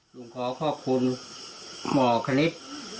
หนูขอขอบคุณหมอคณิต